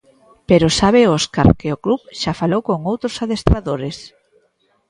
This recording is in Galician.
Pero sabe Óscar que o club xa falou con outros adestradores.